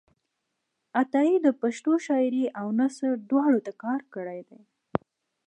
عطایي د پښتو شاعرۍ او نثر دواړو ته کار کړی دی.